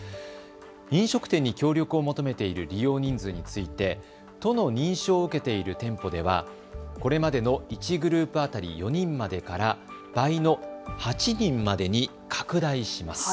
飲食店に協力を求めている利用人数について都の認証を受けている店舗ではこれまでの１グループ当たり４人までから倍の８人までに拡大します。